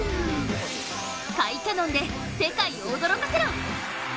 甲斐キャノンで世界を驚かせろ。